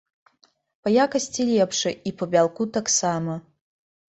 Па якасці лепшы і па бялку таксама.